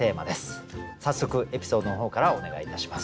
早速エピソードの方からお願いいたします。